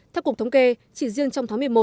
theo cục thống kê chỉ riêng trong tháng một mươi một